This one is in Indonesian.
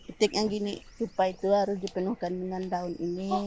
titiknya gini supaya itu harus dipenuhkan dengan daun ini